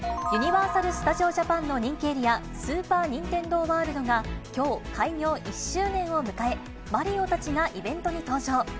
ユニバーサル・スタジオ・ジャパンの人気エリア、スーパー・ニンテンドー・ワールドが、きょう、開業１周年を迎え、マリオたちがイベントに登場。